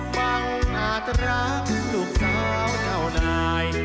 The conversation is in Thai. บังอาจรักลูกสาวเจ้านาย